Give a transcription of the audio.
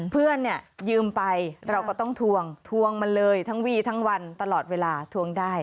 เพื่อนเนี่ยยืมไปเราก็ต้องทวงทวงมันเลยทั้งวี่ทั้งวันตลอดเวลาทวงได้